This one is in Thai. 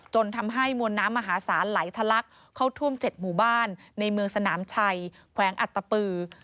จนทำให้มวลน้ำมหาศาลไหลทะลักเข้าท่วม๗หมู่บ้านในเมืองสนามชัยแขวงอัตตปือ